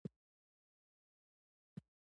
د واخان سیند اوبه یخې دي؟